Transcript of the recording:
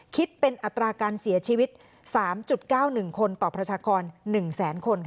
คิดเป็นอัตราการเสียชีวิต๓๙๑คนต่อประชากร๑แสนคน